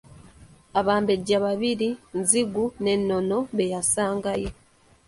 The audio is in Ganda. Abambejja babiri Nzigu ne Nnono be yasangayo.